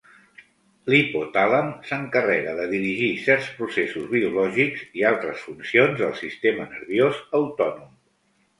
L'hipotàlem s'encarrega de dirigir certs processos biològics i altres funcions del sistema nerviós autònom.